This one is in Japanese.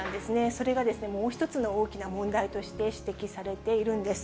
それがもう１つの大きな問題として指摘されているんです。